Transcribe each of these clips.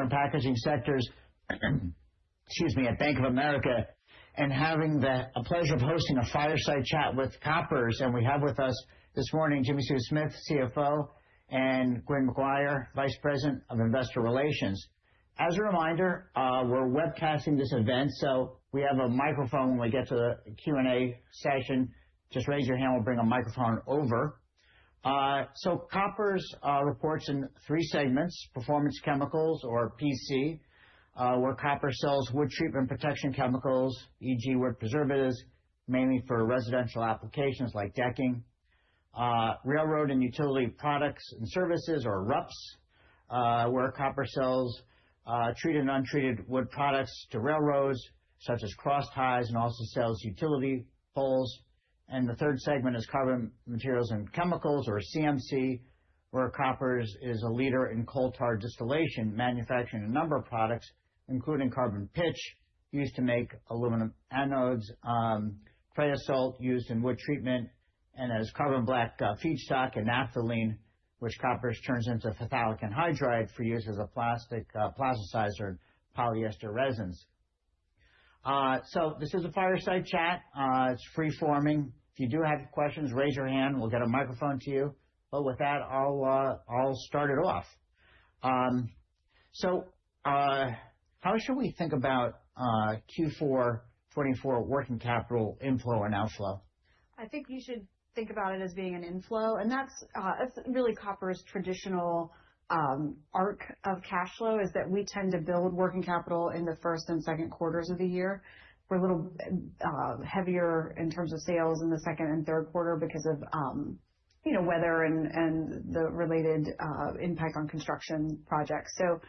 From packaging sectors, excuse me, at Bank of America, and having the pleasure of hosting a fireside chat with Koppers. We have with us this morning Jimmi Sue Smith, CFO, and Quynh McGuire, Vice President of Investor Relations. As a reminder, we're webcasting this event, so we have a microphone when we get to the Q&A session. Just raise your hand, we'll bring a microphone over. Koppers reports in three segments: Performance Chemicals, or PC, where Koppers sells wood treatment protection chemicals, e.g., wood preservatives, mainly for residential applications like decking, Railroad and Utility Products and Services, or RUPS, where Koppers sells treated and untreated wood products to railroads, such as cross ties, and also sells utility poles. And the third segment is Carbon Caterials and Chemicals, or CMC, where Koppers is a leader in coal tar distillation, manufacturing a number of products, including carbon pitch used to make aluminum anodes, creosote used in wood treatment, and as carbon black feedstock, and naphthalene, which Koppers turns into phthalic anhydride for use as a plastic plasticizer and polyester resins. So this is a fireside chat. It's free-forming. If you do have questions, raise your hand, we'll get a microphone to you. But with that, I'll start it off. So how should we think about Q4 2024 working capital inflow and outflow? I think you should think about it as being an inflow, and that's really Koppers' traditional arc of cash flow is that we tend to build working capital in the first and second quarters of the year. We're a little heavier in terms of sales in the second and third quarter because of weather and the related impact on construction projects, so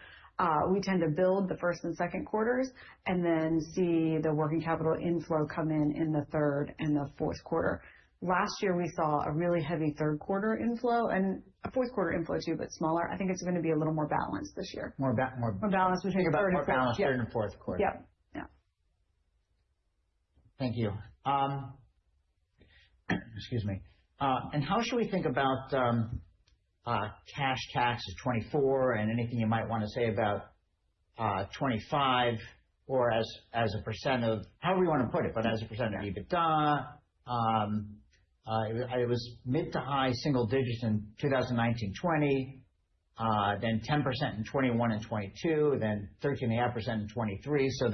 we tend to build the first and second quarters and then see the working capital inflow come in in the third and the fourth quarter. Last year, we saw a really heavy third quarter inflow and a fourth quarter inflow too, but smaller. I think it's going to be a little more balanced this year. More balanced between third and fourth quarter. Yep. Thank you. Excuse me. And how should we think about cash tax of 2024 and anything you might want to say about 2025 or as a percent of however you want to put it, but as a percent of EBITDA? It was mid to high single digits in 2019, 2020, then 10% in 2021 and 2022, then 13.5% in 2023. So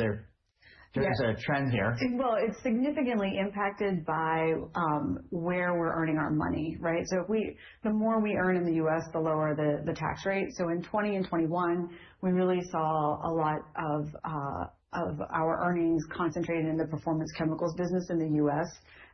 there's a trend here. It's significantly impacted by where we're earning our money, right? So the more we earn in the U.S., the lower the tax rate. So in 2020 and 2021, we really saw a lot of our earnings concentrated in the Performance Chemicals business in the U.S.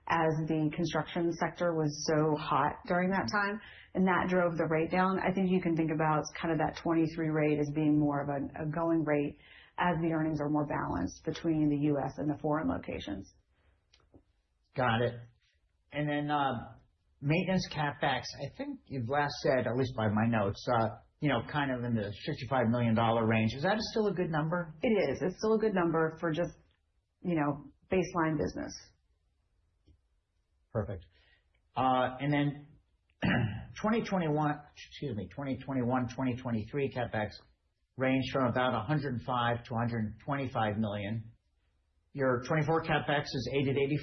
as the construction sector was so hot during that time. And that drove the rate down. I think you can think about kind of that 2023 rate as being more of a going rate as the earnings are more balanced between the U.S. and the foreign locations. Got it. And then maintenance CapEx, I think you've last said, at least by my notes, kind of in the $65 million range. Is that still a good number? It is. It's still a good number for just baseline business. Perfect. And then 2021, excuse me, 2021, 2023 CapEx ranged from about $105-125 million. Your 2024 CapEx is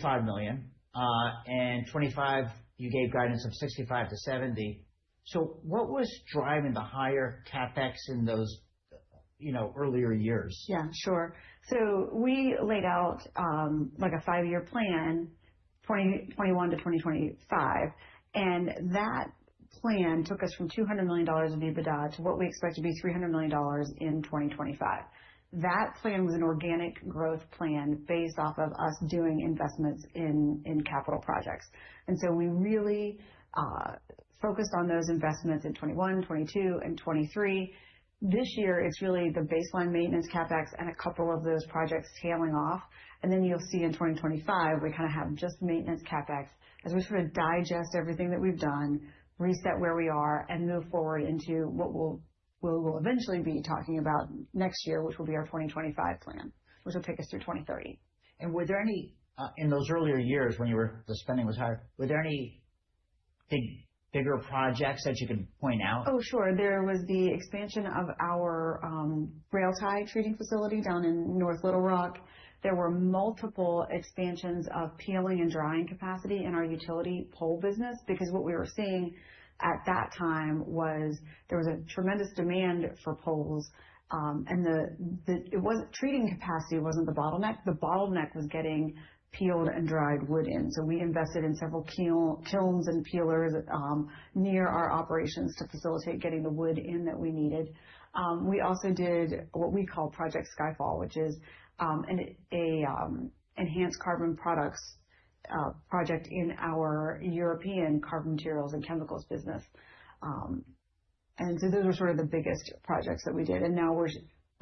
$80-85 million. And 2025, you gave guidance of $65 million-70 million. So what was driving the higher CapEx in those earlier years? Yeah, sure. So we laid out a five-year plan, 2021 to 2025. And that plan took us from $200 million of EBITDA to what we expect to be $300 million in 2025. That plan was an organic growth plan based off of us doing investments in capital projects. And so we really focused on those investments in 2021, 2022, and 2023. This year, it's really the baseline maintenance CapEx and a couple of those projects tailing off. And then you'll see in 2025, we kind of have just maintenance CapEx as we sort of digest everything that we've done, reset where we are, and move forward into what we'll eventually be talking about next year, which will be our 2025 plan, which will take us through 2030. In those earlier years when the spending was higher, were there any bigger projects that you could point out? Oh, sure. There was the expansion of our rail tie treating facility down in North Little Rock. There were multiple expansions of peeling and drying capacity in our utility pole business because what we were seeing at that time was there was a tremendous demand for poles. And the treating capacity wasn't the bottleneck. The bottleneck was getting peeled and dried wood in. So we invested in several kilns and peelers near our operations to facilitate getting the wood in that we needed. We also did what we call Project Skyfall, which is an enhanced carbon products project in our European carbon materials and chemicals business. And so those were sort of the biggest projects that we did. And now we're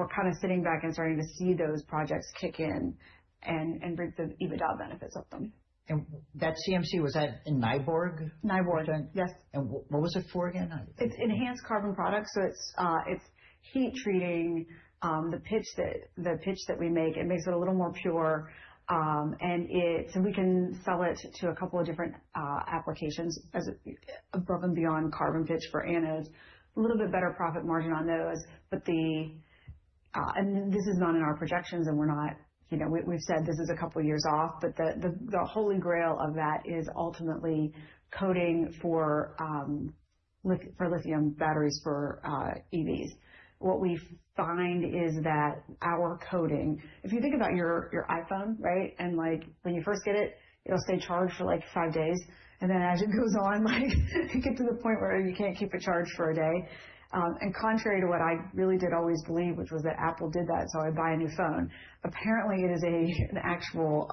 kind of sitting back and starting to see those projects kick in and bring the EBITDA benefits of them. That CMC, was that in Nyborg? Nyborg, yes. What was it for again? It's enhanced carbon products. So it's heat treating the pitch that we make. It makes it a little more pure. And so we can sell it to a couple of different applications above and beyond carbon pitch for anodes, a little bit better profit margin on those. And this is not in our projections and we're not, we've said this is a couple of years off, but the holy grail of that is ultimately coating for lithium batteries for EVs. What we find is that our coating, if you think about your iPhone, right, and when you first get it, it'll stay charged for like five days. And then as it goes on, it gets to the point where you can't keep it charged for a day. And contrary to what I really did always believe, which was that Apple did that, so I would buy a new phone. Apparently, it is an actual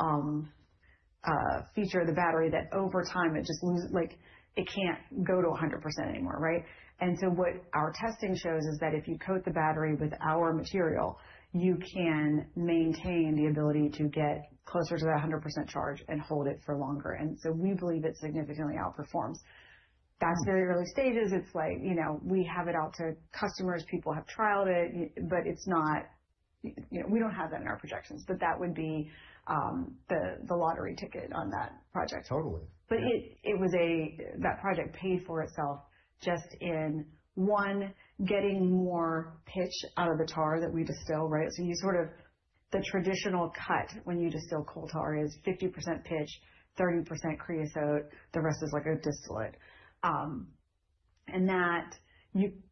feature of the battery that over time, it just loses, like it can't go to 100% anymore, right? And so what our testing shows is that if you coat the battery with our material, you can maintain the ability to get closer to that 100% charge and hold it for longer. And so we believe it significantly outperforms. That's very early stages. It's like we have it out to customers. People have trialed it, but it's not, we don't have that in our projections, but that would be the lottery ticket on that project. Totally. But that project paid for itself just in one, getting more pitch out of the tar that we distill, right? So you sort of, the traditional cut when you distill coal tar is 50% pitch, 30% creosote. The rest is like a distillate. And that,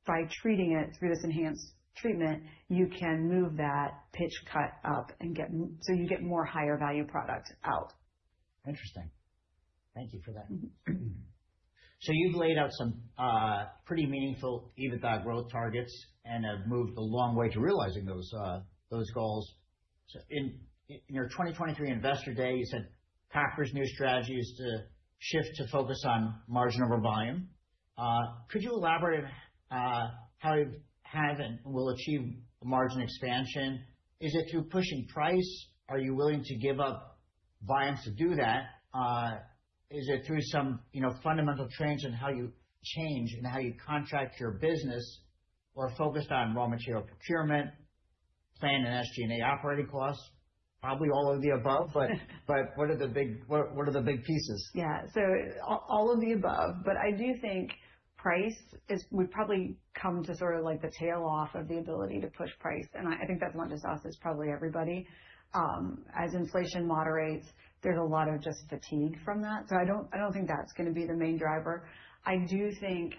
by treating it through this enhanced treatment, you can move that pitch cut up and get so you get more higher value product out. Interesting. Thank you for that. So you've laid out some pretty meaningful EBITDA growth targets and have moved a long way to realizing those goals. In your 2023 Investor Day, you said Koppers' new strategy is to shift to focus on margin over volume. Could you elaborate on how you have and will achieve margin expansion? Is it through pushing price? Are you willing to give up volume to do that? Is it through some fundamental trends in how you change and how you contract your business or focused on raw material procurement, plan and SG&A operating costs? Probably all of the above, but what are the big pieces? Yeah. So all of the above, but I do think price is, we've probably come to sort of like the tail off of the ability to push price. And I think that's not just us, it's probably everybody. As inflation moderates, there's a lot of just fatigue from that. So I don't think that's going to be the main driver. I do think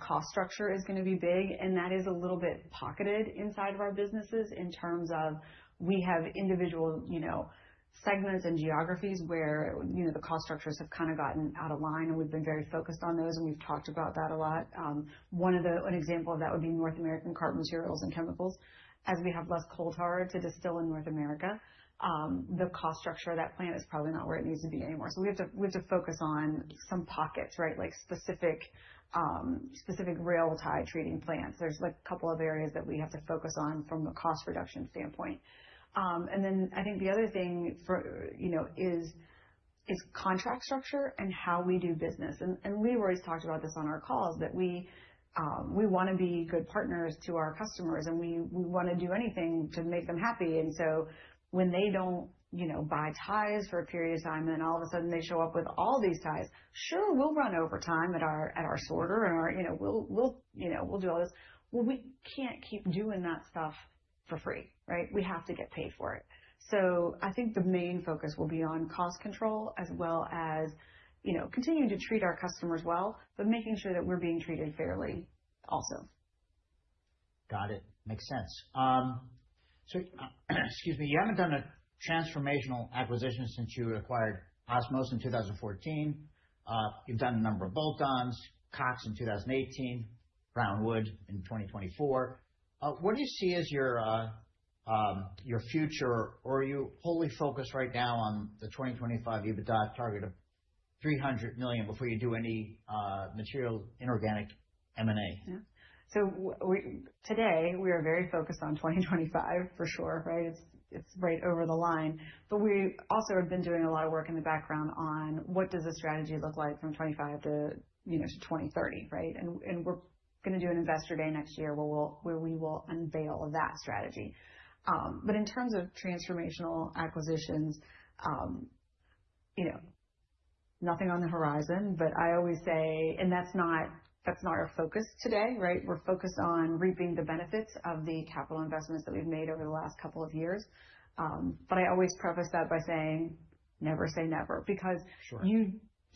cost structure is going to be big, and that is a little bit pocketed inside of our businesses in terms of we have individual segments and geographies where the cost structures have kind of gotten out of line, and we've been very focused on those, and we've talked about that a lot. One example of that would be North American Carbon Materials and Chemicals. As we have less coal tar to distill in North America, the cost structure of that plant is probably not where it needs to be anymore, so we have to focus on some pockets, right? Like specific rail tie treating plants. There's a couple of areas that we have to focus on from a cost reduction standpoint, and then I think the other thing is contract structure and how we do business, and we've always talked about this on our calls that we want to be good partners to our customers, and we want to do anything to make them happy, and so when they don't buy ties for a period of time, and then all of a sudden they show up with all these ties, sure, we'll run overtime at our sorter and we'll do all this, well, we can't keep doing that stuff for free, right? We have to get paid for it. So I think the main focus will be on cost control as well as continuing to treat our customers well, but making sure that we're being treated fairly also. Got it. Makes sense. Excuse me, you haven't done a transformational acquisition since you acquired Osmose in 2014. You've done a number of bolt-ons, Cox in 2018, Brown Wood in 2024. What do you see as your future? Are you wholly focused right now on the 2025 EBITDA target of $300 million before you do any material inorganic M&A? So today, we are very focused on 2025 for sure, right? It's right over the line. But we also have been doing a lot of work in the background on what does the strategy look like from 2025 to 2030, right? And we're going to do an Investor Day next year where we will unveil that strategy. But in terms of transformational acquisitions, nothing on the horizon, but I always say, and that's not our focus today, right? We're focused on reaping the benefits of the capital investments that we've made over the last couple of years. But I always preface that by saying, never say never, because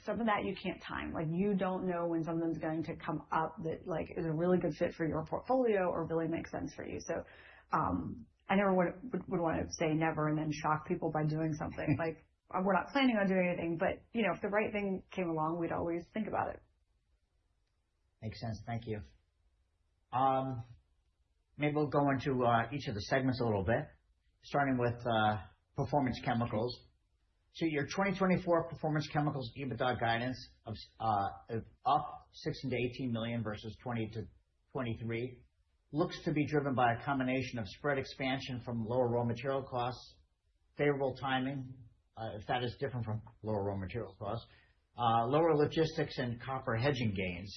some of that you can't time. You don't know when something's going to come up that is a really good fit for your portfolio or really makes sense for you. So I never would want to say never and then shock people by doing something. We're not planning on doing anything, but if the right thing came along, we'd always think about it. Makes sense. Thank you. Maybe we'll go into each of the segments a little bit, starting with Performance Chemicals. So your 2024 Performance Chemicals EBITDA guidance of up $16 million-$18 million versus $20 million-$23 million looks to be driven by a combination of spread expansion from lower raw material costs, favorable timing, if that is different from lower raw material costs, lower logistics, and copper hedging gains.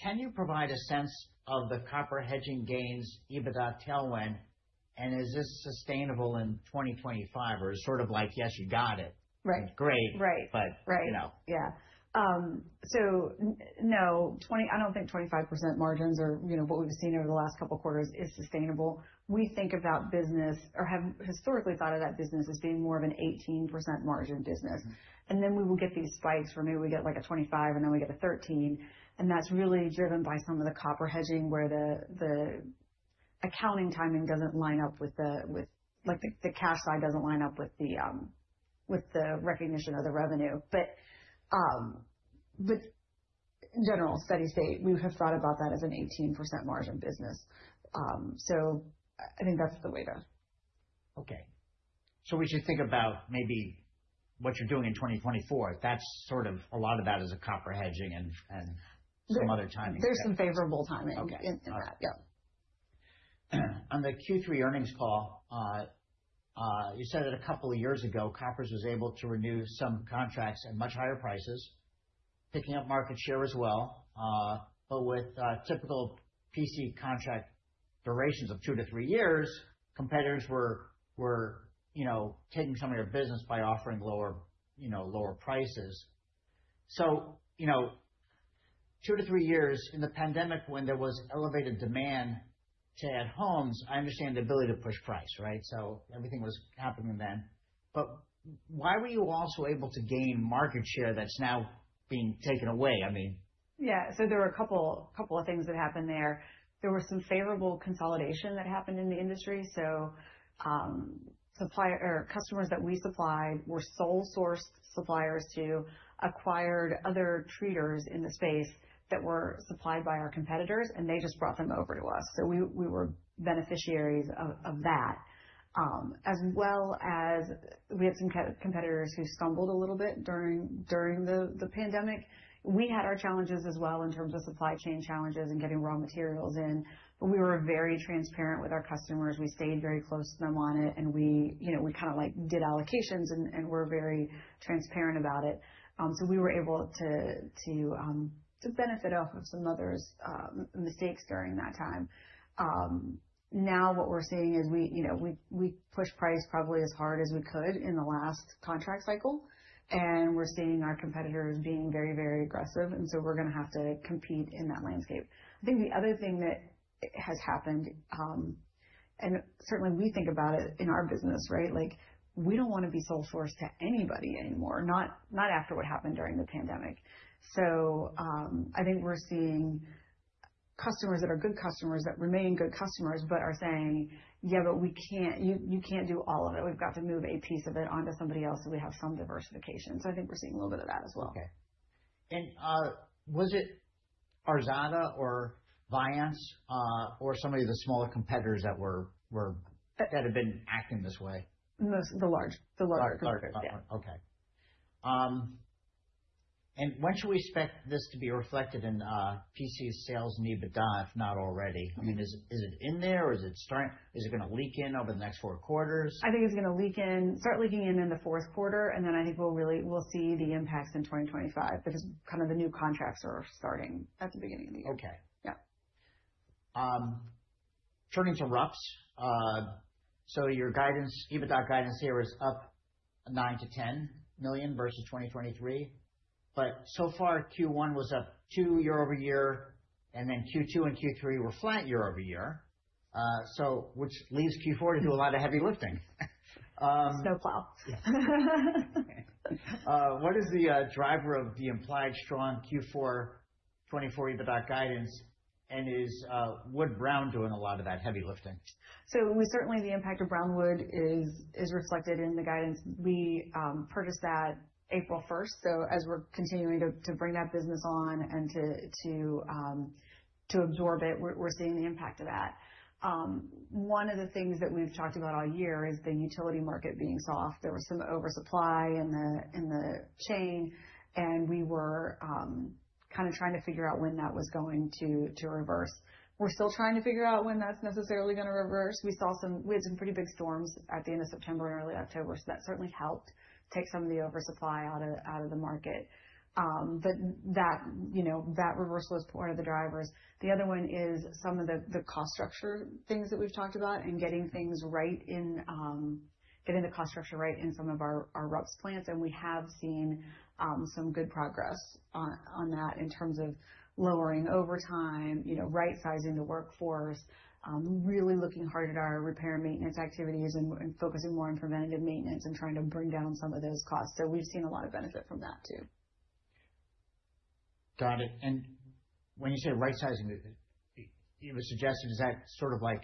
Can you provide a sense of the copper hedging gains EBITDA tailwind, and is this sustainable in 2025? Or it's sort of like, yes, you got it. Right. Great, but. Right. Yeah. So no, I don't think 25% margins or what we've seen over the last couple of quarters is sustainable. We think of that business or have historically thought of that business as being more of an 18% margin business. And then we will get these spikes where maybe we get like a 25% and then we get a 13%. And that's really driven by some of the copper hedging where the accounting timing doesn't line up with the cash side, doesn't line up with the recognition of the revenue. But in general, steady state, we have thought about that as an 18% margin business. So I think that's the way to. Okay. So we should think about maybe what you're doing in 2024. That's sort of a lot of that is a copper hedging and some other timing. There's some favorable timing in that. Yeah. On the Q3 earnings call, you said that a couple of years ago, Koppers was able to renew some contracts at much higher prices, picking up market share as well. But with typical PC contract durations of two to three years, competitors were taking some of your business by offering lower prices. So two to three years in the pandemic when there was elevated demand to add homes, I understand the ability to push price, right? So everything was happening then. But why were you also able to gain market share that's now being taken away? I mean. Yeah. So there were a couple of things that happened there. There were some favorable consolidation that happened in the industry. So customers that we supplied were sole sourced suppliers to acquired other treaters in the space that were supplied by our competitors, and they just brought them over to us. So we were beneficiaries of that. As well as we had some competitors who stumbled a little bit during the pandemic. We had our challenges as well in terms of supply chain challenges and getting raw materials in. But we were very transparent with our customers. We stayed very close to them on it, and we kind of did allocations and were very transparent about it. So we were able to benefit off of some others' mistakes during that time. Now what we're seeing is we pushed price probably as hard as we could in the last contract cycle, and we're seeing our competitors being very, very aggressive, and so we're going to have to compete in that landscape. I think the other thing that has happened, and certainly we think about it in our business, right? We don't want to be sole source to anybody anymore, not after what happened during the pandemic. So I think we're seeing customers that are good customers that remain good customers, but are saying, "Yeah, but we can't, you can't do all of it. We've got to move a piece of it onto somebody else so we have some diversification," so I think we're seeing a little bit of that as well. Okay. And was it Arxada or Viance or some of the smaller competitors that had been acting this way? The large. The larger competitor. Okay. And when should we expect this to be reflected in PC sales and EBITDA, if not already? I mean, is it in there or is it starting? Is it going to leak in over the next four quarters? I think it's going to leak in, start leaking in the fourth quarter, and then I think we'll see the impacts in 2025 because kind of the new contracts are starting at the beginning of the year. Okay. Yeah. Turning to RUPS. So your guidance, EBITDA guidance here is up $9 million-$10 million versus 2023. But so far, Q1 was up two year over year, and then Q2 and Q3 were flat year over year, which leaves Q4 to do a lot of heavy lifting. Snowplow. What is the driver of the implied strong Q4 2024 EBITDA guidance, and is Brown Wood doing a lot of that heavy lifting? So certainly the impact of Brown Wood is reflected in the guidance. We purchased that April 1st. So as we're continuing to bring that business on and to absorb it, we're seeing the impact of that. One of the things that we've talked about all year is the utility market being soft. There was some oversupply in the chain, and we were kind of trying to figure out when that was going to reverse. We're still trying to figure out when that's necessarily going to reverse. We had some pretty big storms at the end of September and early October, so that certainly helped take some of the oversupply out of the market. But that reverse was part of the drivers. The other one is some of the cost structure things that we've talked about and getting things right in, getting the cost structure right in some of our RUPS plants. We have seen some good progress on that in terms of lowering overtime, right-sizing the workforce, really looking hard at our repair maintenance activities and focusing more on preventative maintenance and trying to bring down some of those costs. We've seen a lot of benefit from that too. Got it. And when you say right-sizing, it was suggested, is that sort of like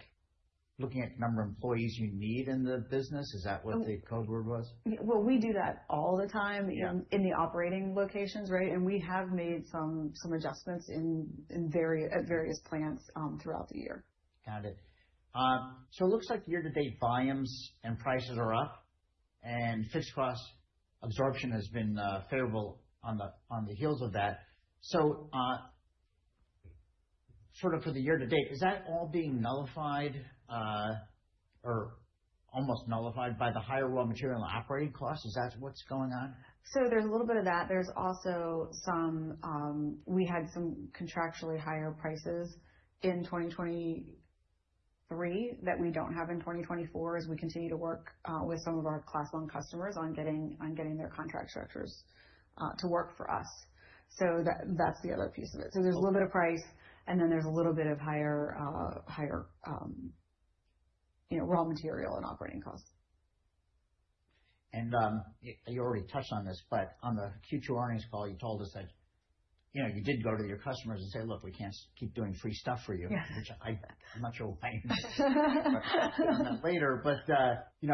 looking at the number of employees you need in the business? Is that what the code word was? We do that all the time in the operating locations, right? We have made some adjustments at various plants throughout the year. Got it. So it looks like year-to-date volumes and prices are up, and fixed cost absorption has been favorable on the heels of that. So sort of for the year-to-date, is that all being nullified or almost nullified by the higher raw material operating costs? Is that what's going on? So there's a little bit of that. There's also some. We had some contractually higher prices in 2023 that we don't have in 2024 as we continue to work with some of our Class I customers on getting their contract structures to work for us. So that's the other piece of it. So there's a little bit of price, and then there's a little bit of higher raw material and operating costs. And you already touched on this, but on the Q2 earnings call, you told us that you did go to your customers and say, "Look, we can't keep doing free stuff for you," which I'm not sure why you mentioned that later. But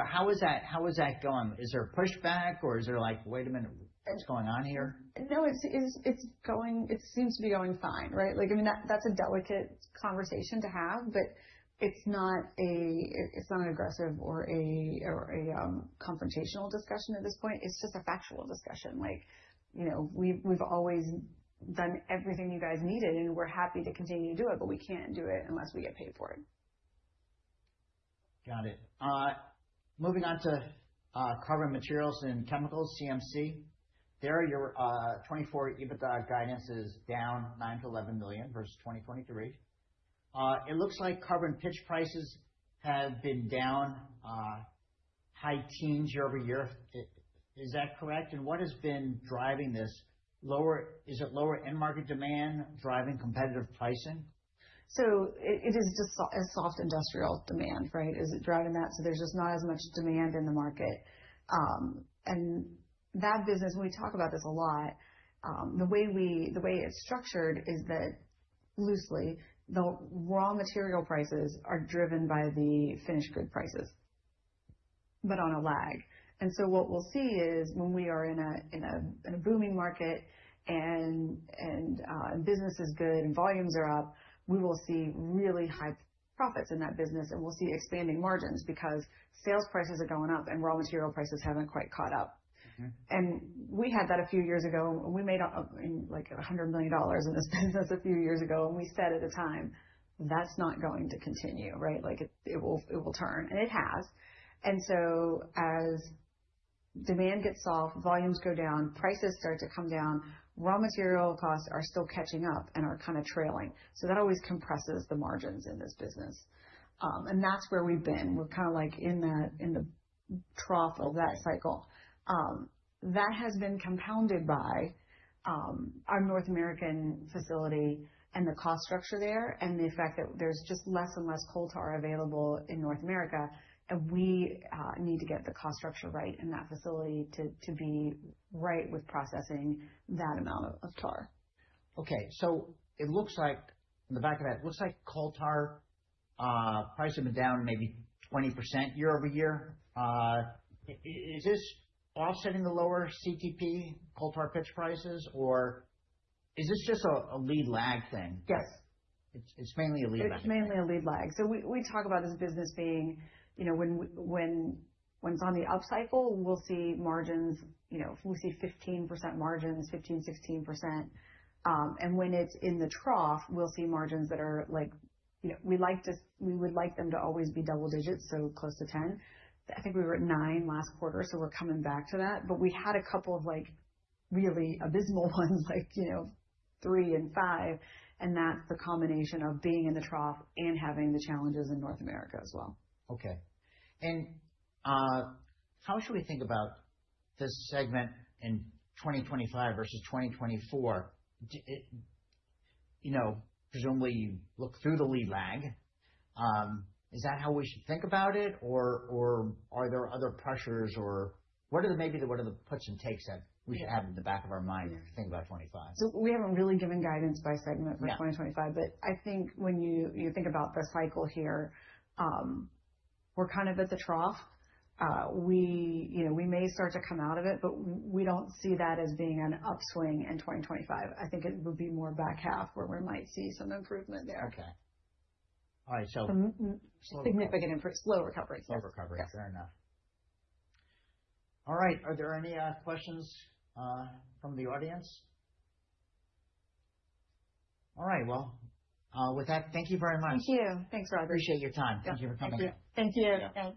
how is that going? Is there pushback or is there like, "Wait a minute, what's going on here? No, it seems to be going fine, right? I mean, that's a delicate conversation to have, but it's not an aggressive or a confrontational discussion at this point. It's just a factual discussion. We've always done everything you guys needed, and we're happy to continue to do it, but we can't do it unless we get paid for it. Got it. Moving on to carbon materials and chemicals, CMC. There are your 2024 EBITDA guidances down $9 million-$11 million versus 2023. It looks like carbon pitch prices have been down high teens year over year. Is that correct? And what has been driving this? Is it lower end market demand driving competitive pricing? So it is just a soft industrial demand, right? Is it driving that? So there's just not as much demand in the market. And that business, we talk about this a lot. The way it's structured is that loosely, the raw material prices are driven by the finished good prices, but on a lag. And so what we'll see is when we are in a booming market and business is good and volumes are up, we will see really high profits in that business, and we'll see expanding margins because sales prices are going up and raw material prices haven't quite caught up. And we had that a few years ago. We made like $100 million in this business a few years ago, and we said at the time, "That's not going to continue," right? It will turn, and it has. So as demand gets soft, volumes go down, prices start to come down, raw material costs are still catching up and are kind of trailing. That always compresses the margins in this business. That's where we've been. We're kind of like in the trough of that cycle. That has been compounded by our North American facility and the cost structure there and the fact that there's just less and less coal tar available in North America. We need to get the cost structure right in that facility to be right with processing that amount of tar. Okay. So it looks like in the back of that, it looks like coal tar price has been down maybe 20% year over year. Is this offsetting the lower CTP, coal tar pitch prices, or is this just a lead lag thing? Yes. It's mainly a lead lag. It's mainly a lead lag. So we talk about this business being when it's on the upcycle, we'll see margins. We'll see 15% margins, 15%-16%. And when it's in the trough, we'll see margins that are like we would like them to always be double digits, so close to 10. I think we were at nine last quarter, so we're coming back to that. But we had a couple of really abysmal ones like three and five, and that's the combination of being in the trough and having the challenges in North America as well. Okay. And how should we think about this segment in 2025 versus 2024? Presumably, you look through the lead lag. Is that how we should think about it, or are there other pressures, or what are maybe the puts and takes that we should have in the back of our mind to think about 2025? So we haven't really given guidance by segment for 2025, but I think when you think about the cycle here, we're kind of at the trough. We may start to come out of it, but we don't see that as being an upswing in 2025. I think it would be more back half where we might see some improvement there. Okay. All right. So. Some significant improvement. Slower coverage. Slower coverage. Fair enough. All right. Are there any questions from the audience? All right. Well, with that, thank you very much. Thank you. Thanks, Robert. Appreciate your time. Thank you for coming out. Thank you. Thank you.